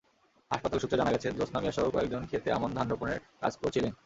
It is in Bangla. হাসপাতাল সূত্রে জানা গেছে, জোছনা মিয়াসহ কয়েকজন খেতে আমন ধান রোপণের কাজ করছিলেন।